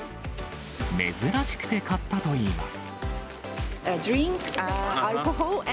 珍しくて買ったといいます。